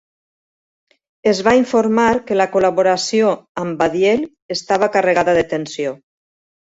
Es va informar que la col·laboració amb Baddiel estava carregada de tensió.